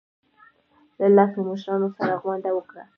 له لسو مشرانو سره غونډه وکړه.